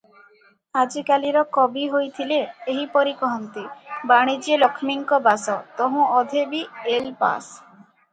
ଆଜିକାଲିର କବି ହୋଇ ଥିଲେ, ଏହିପରି କହନ୍ତେ -''ବାଣିଜ୍ୟେ ଲକ୍ଷ୍ମୀଙ୍କ ବାସ, ତହୁଁ ଅଧେ ବି ଏଲ୍ ପାଶ''